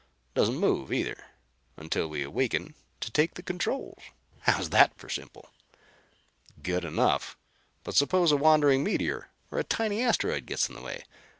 Doesn't move either, until we awaken to take the controls. How's that for simple?" "Good enough. But suppose a wandering meteor or a tiny asteroid gets in the way?